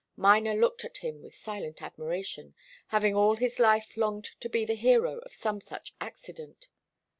Miner looked at him with silent admiration, having all his life longed to be the hero of some such accident.